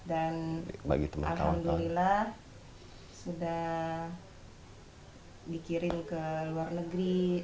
dan alhamdulillah sudah dikirim ke luar negeri